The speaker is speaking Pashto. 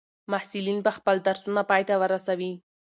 محصلین به خپل درسونه پای ته ورسوي.